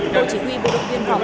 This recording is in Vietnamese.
cô chỉ huy bộ đội biên phòng